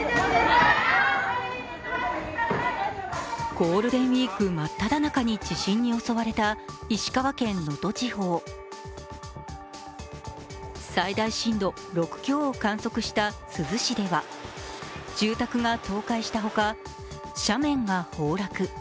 ゴールデンウイーク真っただ中に地震に襲われた石川県能登地方最大震度６強を観測した珠洲市では住宅が倒壊したほか、斜面が崩落。